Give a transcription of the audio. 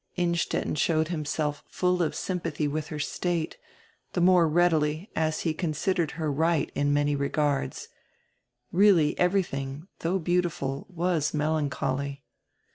Innstetten showed himself full of sympathy widi her state, die more readily, as he considered her right in many regards. Really everything, though heautiful, was mel ancholy.